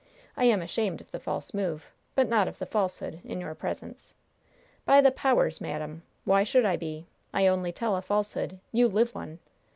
I am ashamed of the false move, but not of the falsehood, in your presence. By the powers, madam! why should I be? I only tell a falsehood. You live one!